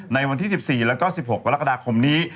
ในวันที่๑๔แล้วก็๑๖วันละกาดาคมนี้